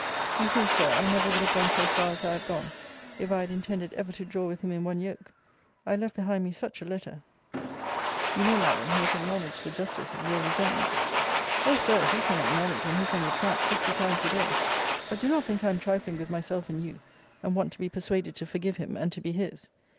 Do you think, Sir, I never would have gone so far as I have gone, if I had intended ever to draw with him in one yoke? I left behind me such a letter You know, Madam, he has acknowledged the justice of your resentment O Sir, he can acknowledge, and he can retract, fifty times a day but do not think I am trifling with myself and you, and want to be persuaded to forgive him, and to be his.